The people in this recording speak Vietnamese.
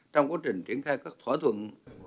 trong quá trình triển khai các thỏa thuận